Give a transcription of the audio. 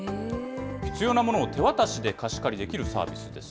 必要な物を手渡しで貸し借りできるサービスです。